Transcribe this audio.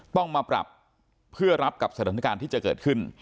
ต้องมาปรับเพื่อรับกับสถานการณ์ที่จะเกิดขึ้น